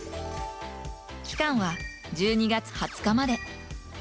期間は１２月２０日まで。